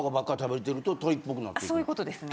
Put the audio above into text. そういうことですね。